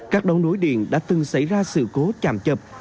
các đống nối điện đã từng xảy ra sự cố chạm chập